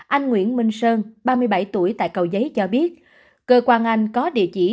anh nguyễn minh sơn ba mươi bảy tuổi tại cầu giấy cho biết cơ quan anh có địa chỉ